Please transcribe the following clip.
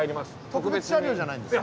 特別車両じゃないんですか？